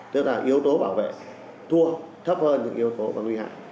tức là yếu tố bảo vệ thua thấp hơn những yếu tố và nguy hại